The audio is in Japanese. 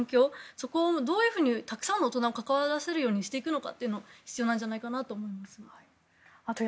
そこをどういうふうにたくさんの大人を関わらせるようにしていくのかが必要なんじゃないかと思います。